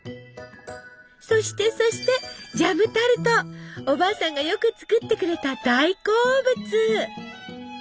そしてそしておばあさんがよく作ってくれた大好物！